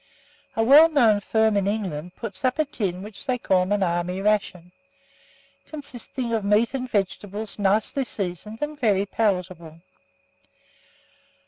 A well known firm in England puts up a tin which they term an Army Ration, consisting of meat and vegetables, nicely seasoned and very palatable.